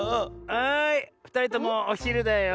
はいふたりともおひるだよ。